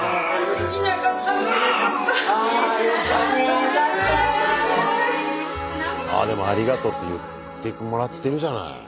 ああでも「ありがとう」って言ってもらってるじゃない。